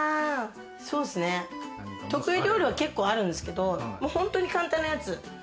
そうですね、得意料理は結構あるんですけど、本当に簡単なやつ。